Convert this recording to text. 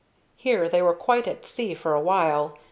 Here they were quite at sea for a while.